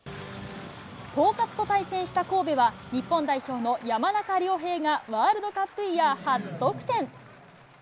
東葛と対戦した神戸は、日本代表の山中亮平がワールドカップイヤー初得点。